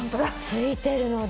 付いてるので。